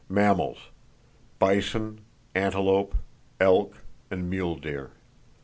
Mammals: bison, antelope, elk, and mule deer.